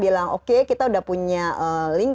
bilang oke kita udah punya link